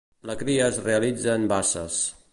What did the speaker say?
La cria es realitza en basses.